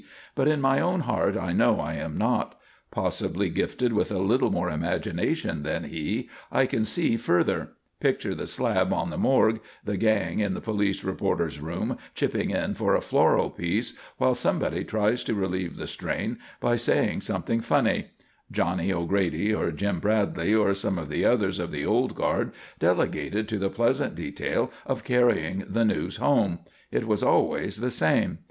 But in my own heart I know I am not. Possibly gifted with a little more imagination than he, I can see further; picture the slab at the morgue, the gang in the police reporter's room chipping in for a floral piece while somebody tries to relieve the strain by saying something funny; Johnny O'Grady or Jim Bradley, or some of the others of the old guard delegated to the pleasant detail of carrying the news home; it was always the same.